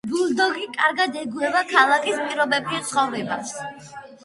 ბულდოგი კარგად ეგუება ქალაქის პირობებში ცხოვრებას.